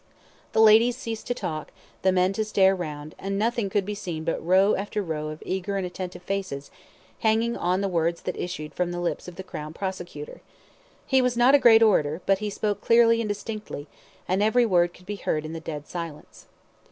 The ladies ceased to talk, the men to stare round, and nothing could be seen but row after row of eager and attentive faces, hanging on the words that issued from the lips of the Crown Prosecutor. He was not a great orator, but he spoke clearly and distinctly, and every word could be heard in the dead silence.